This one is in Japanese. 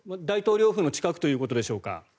大統領府のすぐ近くということでしょうか？